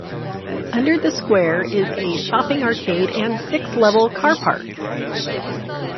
Under the square is a shopping arcade and six-level car park.